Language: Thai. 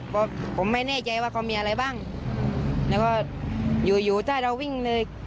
เพราะผมไม่แน่ใจว่าเขามีอะไรบ้างแล้วก็อยู่อยู่ถ้าเราวิ่งเลย